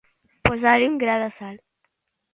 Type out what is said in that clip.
Posar-hi un gra de sal.